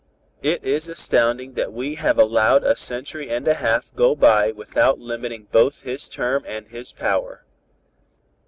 "It is astounding that we have allowed a century and a half go by without limiting both his term and his power.